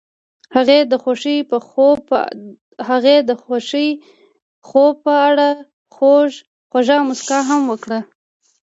هغې د خوښ خوب په اړه خوږه موسکا هم وکړه.